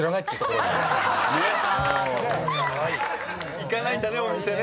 行かないんだねお店ね。